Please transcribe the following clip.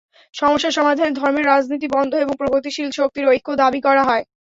সমস্যা সমাধানে ধর্মের রাজনীতি বন্ধ এবং প্রগতিশীল শক্তির ঐক্য দাবি করা হয়।